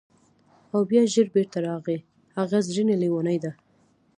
او بیا ژر بیرته راغی: هغه زرینه لیونۍ ده!